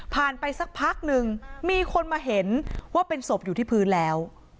ไปสักพักนึงมีคนมาเห็นว่าเป็นศพอยู่ที่พื้นแล้ว